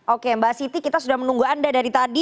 oke mbak siti kita sudah menunggu anda dari tadi